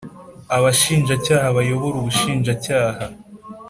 Abashinjacyaha bayobora ubushinjacyaha